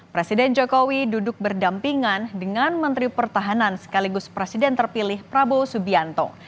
presiden jokowi duduk berdampingan dengan menteri pertahanan sekaligus presiden terpilih prabowo subianto